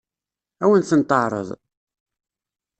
Ad wen-ten-teɛṛeḍ?